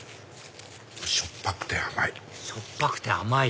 しょっぱくて甘い。